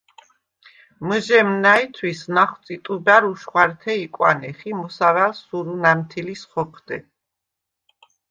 მჷჟემ ნა̈ჲთვის ნახვწი ტუბა̈რ უშხვა̈რთე იკვანეხ ი მოსავა̈ლს სურუ ნამთილის ხოჴდე.